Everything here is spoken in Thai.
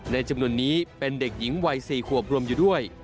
จำนวนนี้เป็นเด็กหญิงวัย๔ขวบรวมอยู่ด้วย